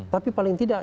tapi paling tidak